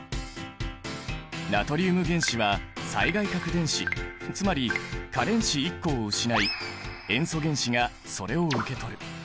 ナトリウム原子は最外殻電子つまり価電子１個を失い塩素原子がそれを受け取る。